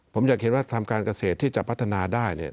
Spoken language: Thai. ผมอยากเห็นว่าทำการเกษตรที่จะพัฒนาได้เนี่ย